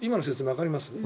わかります。